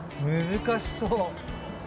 難しそう。